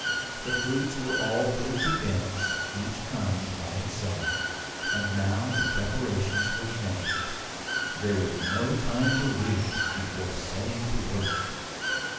The fruits were all put into bins, each kind by itself. And now the preparations were finished. There was no time to lose before setting to work.